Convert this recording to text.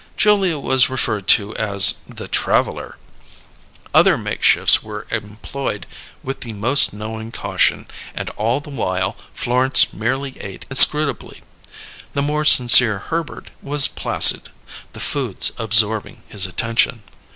Julia was referred to as "the traveller"; other makeshifts were employed with the most knowing caution, and all the while Florence merely ate inscrutably. The more sincere Herbert was placid; the foods absorbing his attention.